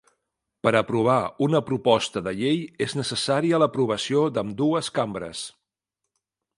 Per aprovar una proposta de llei, és necessària l'aprovació d'ambdues cambres.